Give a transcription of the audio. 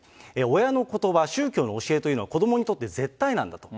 親のことば、宗教の教えというのは、子どもにとって絶対なんだと。